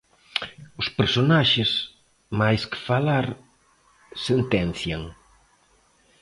Os personaxes, máis que falar, sentencian.